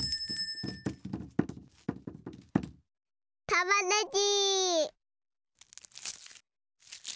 たまねぎ。